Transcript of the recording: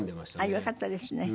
よかったですね。